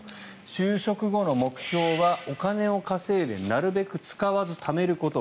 就職後の目標はお金を稼いでなるべく使わずためること。